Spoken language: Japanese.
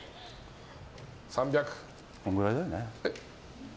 こんくらいだよね。